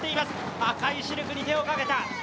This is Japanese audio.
赤いシルクに手をかけた。